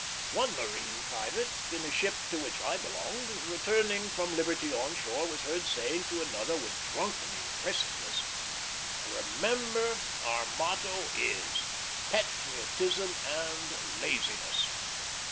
One marine private, in the ship to which I belonged, returning from liberty on shore, was heard saying to another with drunken impressiveness, "Remember, our motto is, 'Patriotism and laziness.'"